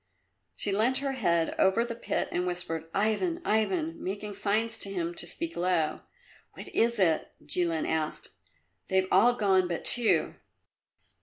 She leant her head over the pit and whispered, "Ivan, Ivan!" making signs to him to speak low. "What is it?" Jilin asked. "They've all gone but two."